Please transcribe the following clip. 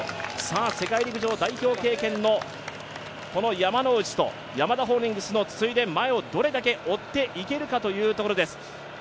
世界陸上代表経験の山ノ内とヤマダホールディングスの筒井で前をどれだけ追っていけるかというところです。